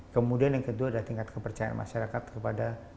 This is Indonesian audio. kemudian yang kedua ada tingkat kepercayaan masyarakat kepada orang orang